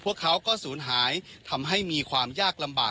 ภายในอย่างดีที่สุดนะครับ